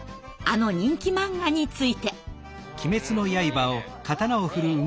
あの人気漫画について。